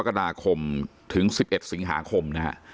๑กคถึง๑๑สิงหาคม